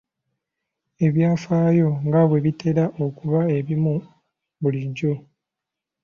Ebyafaayo nga bwe bitera okuba ebimu bulijjo.